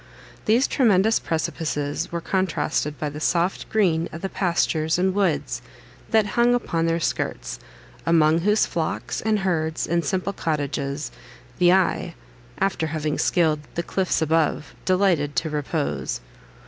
These tremendous precipices were contrasted by the soft green of the pastures and woods that hung upon their skirts; among whose flocks, and herds, and simple cottages, the eye, after having scaled the cliffs above, delighted to repose.